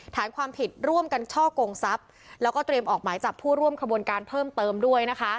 ฐานความผิดร่วมกันช่อกงทรัพย์แล้วก็เตรียมออกหมายจับผู้ร่วมขบวนการเพิ่มเติมด้วยนะคะ